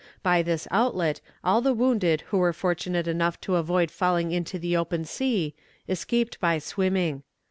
By this outlet, all the wounded who were fortunate enough to avoid falling into the open sea, escaped by swimming.